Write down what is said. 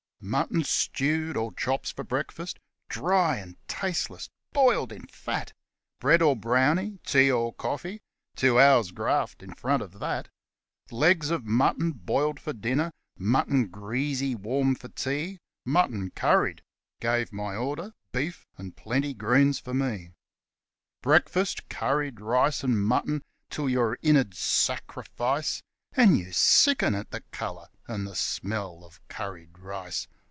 Mutton stewed or chops for breakfast, dry and taste less, boiled in fat ; Bread or brownie, tea or coffee two hours' graft in front of that ; Legs of mutton boiled for dinner mutton greasy warm for tea Mutton curried (gave my order, beef and plenty greens for me.) 146 THE GREEN HAND ROUSE ABOUT 147 Breakfast, curried rice and mutton till your innards sacrifice, And you sicken at the colour and the smell of curried rice.